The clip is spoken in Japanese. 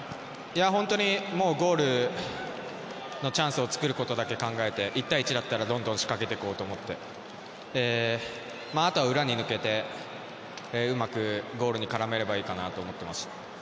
本当に、もうゴールのチャンスを作ることだけ考えて１対１だったらどんどん仕掛けていこうと思ってあとは裏に抜けてうまくゴールに絡めればいいと思っていました。